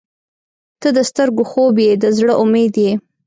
• ته د سترګو خوب یې، د زړه امید یې.